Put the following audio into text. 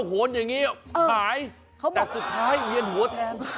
ให้เวียนหัวแทน